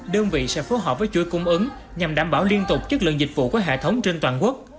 đơn vị sẽ phối hợp với chuỗi cung ứng nhằm đảm bảo liên tục chất lượng dịch vụ của hệ thống trên toàn quốc